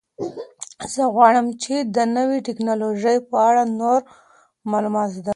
زه غواړم چې د نوې تکنالوژۍ په اړه نور معلومات زده کړم.